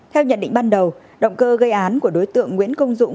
theo nhận định ban đầu động cơ gây án của đối tượng nguyễn công dũng